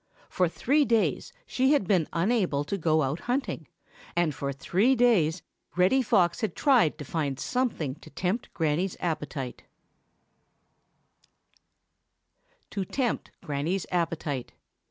For three days she had been unable to go out hunting, and for three days Reddy Fox had tried to find something to tempt Granny's appetite.